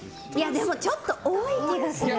ちょっと多い気がする。